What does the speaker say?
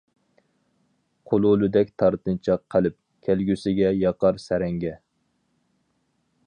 قۇلۇلىدەك تارتىنچاق قەلب، كەلگۈسىگە ياقار سەرەڭگە.